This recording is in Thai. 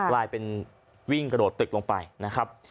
กลายเป็นวิ่งกระโดดตึกลงไปนะครับ